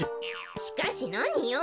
しかしなによん。